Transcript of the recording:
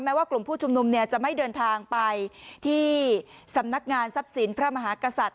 ว่ากลุ่มผู้ชุมนุมเนี่ยจะไม่เดินทางไปที่สำนักงานทรัพย์สินพระมหากษัตริย